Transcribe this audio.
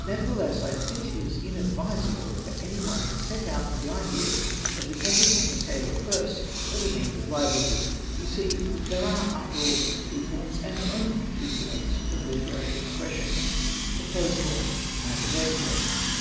"Nevertheless, I think it is inadvisable for any one to set out with the idea of depending on the sale of verse as a means of livelihood. You see, there are, after all, two forms, and only two forms, of literary expression the prose form and the verse form.